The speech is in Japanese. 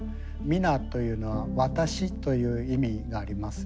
「ミナ」というのは「私」という意味があります。